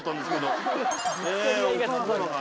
ぶつかり合いがすごいの。